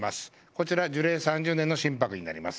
こちら樹齢３０年の真柏になります